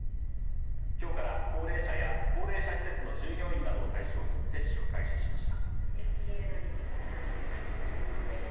きょうから高齢者や高齢者施設などの従業員を対象に接種を開始しました。